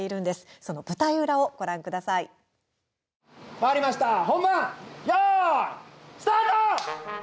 回りました、本番よーい、スタート！